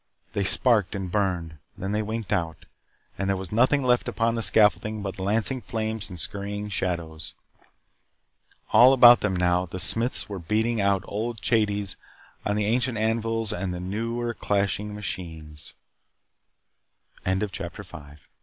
They sparkled and burned. Then they winked out, and there was nothing left upon the scaffolding but lancing flames and scurrying shadows. All about them now, the smiths were beating out old chanteys on the ancient anvils and the newer, clas